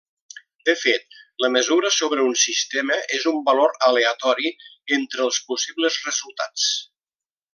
De fet, la mesura sobre un sistema és un valor aleatori entre els possibles resultats.